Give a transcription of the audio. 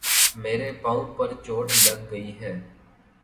میرے پاؤں پر چوٹ لگ گئی ہے